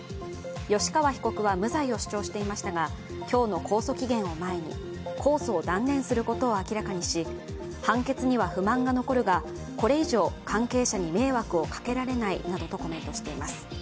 吉川被告は無罪を主張していましたが、今日の控訴期限を前に控訴を断念することを明らかにし、判決には不満が残るがこれ以上、関係者に迷惑をかけられないなどとコメントしています。